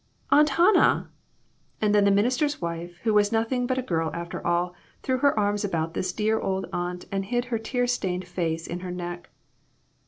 Aunt Hannah !" And then the minister's wife, who was nothing but a girl after all, threw her arms about this dear old aunt and hid her tear stained face in her neck.